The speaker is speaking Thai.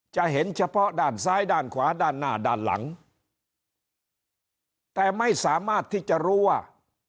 จะเห็นเฉพาะด้านซ้ายด้านขวาด้านหน้าด้านหลังแต่ไม่สามารถที่จะรู้ว่า